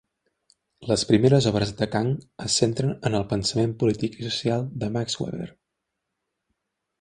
Les primeres obres de Kang es centren en el pensament polític i social de Max Weber.